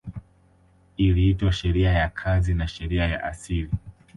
Iliitwa sheria ya kazi na sheria ya asili